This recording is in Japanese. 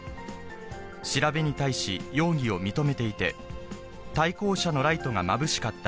調べに対し、容疑を認めていて、対向車のライトがまぶしかった。